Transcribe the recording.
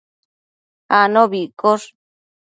anobi iccosh